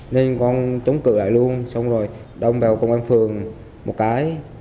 nên con trúng cửa lại luôn xong rồi đông vào công an phường một cái